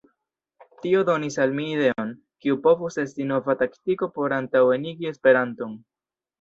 Tio donis al mi ideon, kiu povus esti nova taktiko por antaŭenigi Esperanton.